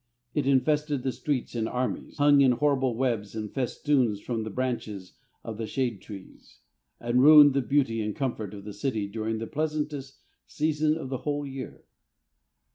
It infested the streets in armies, hung in horrible webs and festoons from the branches of the shade trees, and ruined the beauty and comfort of the city during the pleasantest season of the whole year.